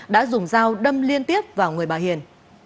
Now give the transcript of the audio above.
đã dùng dao đâm liên tiếp vào người bà hiền